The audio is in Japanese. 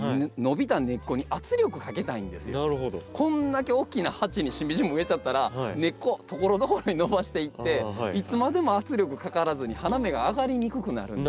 こんだけ大きな鉢にシンビジウム植えちゃったら根っこところどころに伸ばしていっていつまでも圧力かからずに花芽があがりにくくなるんですよ。